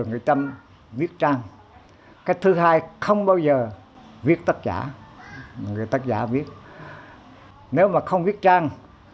người trăm viết trang cách thứ hai không bao giờ viết tác giả người tác giả viết nếu mà không viết trang